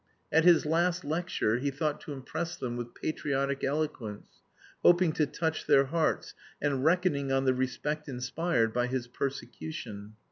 At his last lecture he thought to impress them with patriotic eloquence, hoping to touch their hearts, and reckoning on the respect inspired by his "persecution."